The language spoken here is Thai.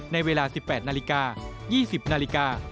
ในเวลา๑๘นาฬิกา๒๐นาฬิกา